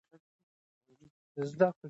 د زده کړې مور کورنۍ خوشاله ساتي.